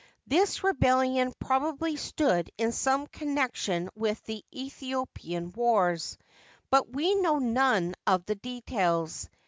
This rebellion probably stood in some connection with the Aethiopian wars ; but we know none of the details.